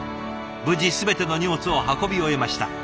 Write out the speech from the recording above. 無事全ての荷物を運び終えました。